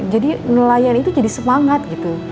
jadi nelayan itu jadi semangat